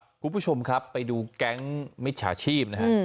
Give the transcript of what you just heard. ครับขอบคุณผู้ชมครับไปดูแก๊งมิจฉาชีพครับอืม